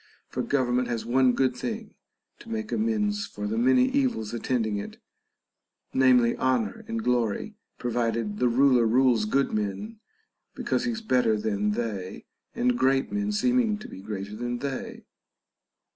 For government has one good thing to make amends for the many evils attending it, namely, honor and glory, provided the ruler rules good men because he is better than they, and great men seem ing to be greater than they.